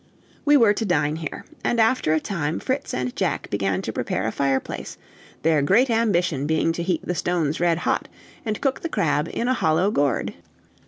We were to dine here, and after a time Fritz and Jack began to prepare a fireplace, their great ambition being to heat the stones red hot, and cook the crab in a hollow gourd.